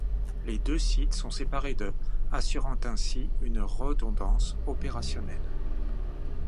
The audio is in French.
Les deux sites sont séparés de assurant ainsi une redondance opérationnelle.